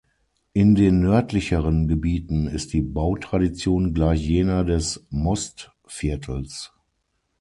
In den nördlicheren Gebieten ist die Bautradition gleich jener des Mostviertels.